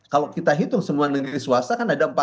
kalau kita hitung semua nilai swasta kan ada empat lima ratus nya